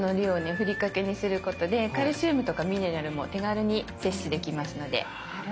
ふりかけにすることでカルシウムとかミネラルも手軽に摂取できますので。